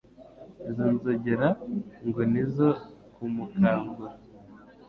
Izo nzogera ngo ni izo kumukangura